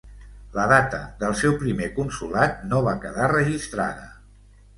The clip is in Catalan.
La data del seu primer consolat no va quedar registrada.